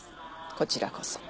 こちらこそ。